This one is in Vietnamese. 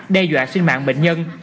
đe dọa sinh mạng bệnh nhân